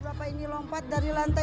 bapak ini lompat dari lantai empat